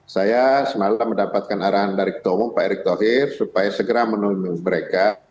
saya semalam mendapatkan arahan dari ketua umum pak erick thohir supaya segera menunjuk mereka